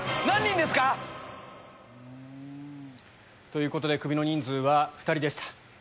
何人ですか⁉ということでクビの人数は２人でした。